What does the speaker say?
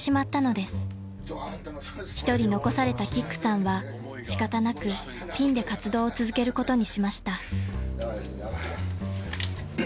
［一人残されたキックさんは仕方なくピンで活動を続けることにしました］